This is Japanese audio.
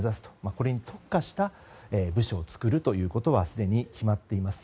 これに特化した部署を作るということはすでに決まっています。